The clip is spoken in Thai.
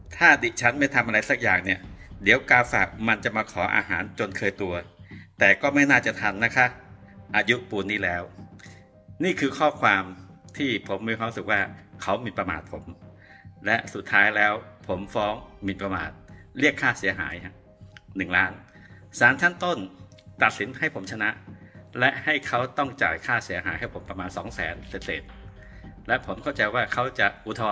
ถ้าดิฉันไม่ทำอะไรสักอย่างเนี่ยเดี๋ยวกาฝากมันจะมาขออาหารจนเคยตัวแต่ก็ไม่น่าจะทันนะคะอายุปูนนี้แล้วนี่คือข้อความที่ผมมีความรู้สึกว่าเขาหมินประมาทผมและสุดท้ายแล้วผมฟ้องหมินประมาทเรียกค่าเสียหายหนึ่งล้านสารชั้นต้นตัดสินให้ผมชนะและให้เขาต้องจ่ายค่าเสียหายให้ผมประมาณสองแสนเศษและผมเข้าใจว่าเขาจะอุท